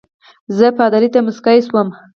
زه پادري ته مسکی شوم.